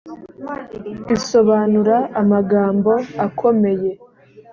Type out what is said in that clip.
isobanura amagambo akomeye.